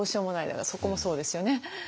だからそこもそうですよね。